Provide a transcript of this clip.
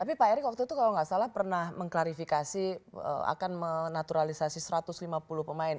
tapi pak erick waktu itu kalau nggak salah pernah mengklarifikasi akan menaturalisasi satu ratus lima puluh pemain